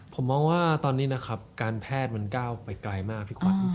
ผมมองว่าตอนนี้นะครับการแพทย์มันก้าวไปไกลมากพี่ขวัญ